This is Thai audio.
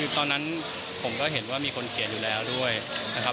ตอนนั้นผมก็เห็นว่ามีคนเขียนอยู่แล้วด้วยนะครับ